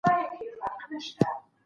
ماشینونه کولای سي د انسانانو ځای ونیسي.